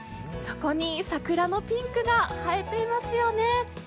そこに桜のピンクが映えていますよね。